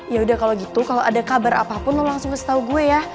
yaudah kalo gitu kalo ada kabar apapun lo langsung kasih tau gue ya